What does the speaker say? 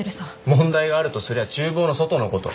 問題があるとすりゃ厨房の外のこと。